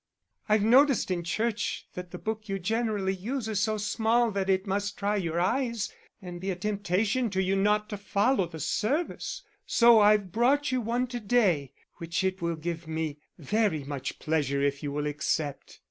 I've noticed in church that the book you generally use is so small that it must try your eyes, and be a temptation to you not to follow the service. So I've brought you one to day, which it will give me very much pleasure if you will accept."